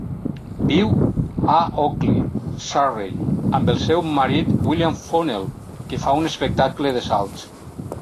Viu a Ockley, Surrey amb el seu marit William Funnell que fa un espectacle de salts.